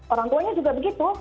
orang tuanya juga begitu